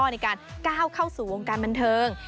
ในการก้าวเข้าสู่วงการบันเทิง